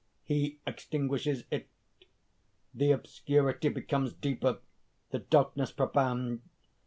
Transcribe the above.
(_He extinguishes it; the obscurity becomes deeper, the darkness profound.